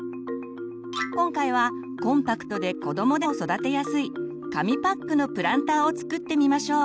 今回はコンパクトで子どもでも育てやすい紙パックのプランターを作ってみましょう。